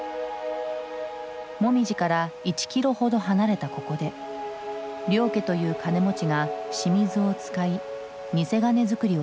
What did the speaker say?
モミジから１キロほど離れたここで領家という金持ちが清水を使い偽金づくりをしていた。